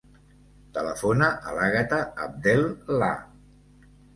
Telefona a l'Àgata Abdel Lah.